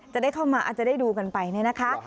จะได้เข้ามาอาจจะได้ดูกันไปเนี่ยนะคะ